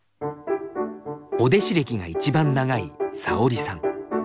お弟子歴が一番長いさおりさん。